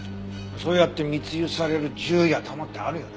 そうやって密輸される銃や弾ってあるよね。